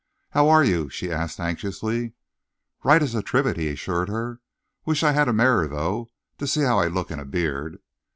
"How are you?" she asked anxiously. "Right as a trivet," he assured her. "Wish I had a mirror, though, to see how I look in a beard."